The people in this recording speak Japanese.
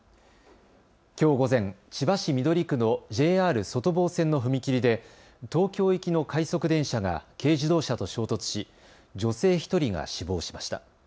きょう午前、千葉市緑区のＪＲ外房線の踏切で東京行きの快速電車が軽自動車と衝突し、女性１人が死亡しました。